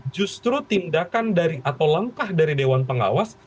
justru tindakan atau langkah dari dewan pengawas